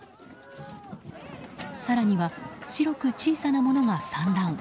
更には、白く小さなものが散乱。